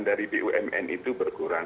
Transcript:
dari bumn itu berkurang